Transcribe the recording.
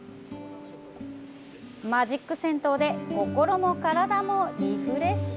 マジック銭湯で心も体もリフレッシュ。